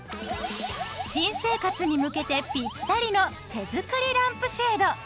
新生活に向けてピッタリの手作りランプシェード。